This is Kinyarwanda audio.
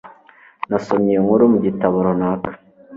Nasomye iyo nkuru mu gitabo runaka